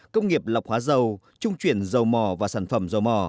công nghiệp lọc hóa dầu trung chuyển dầu mò và sản phẩm dầu mò